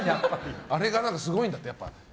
あれがすごいんだって。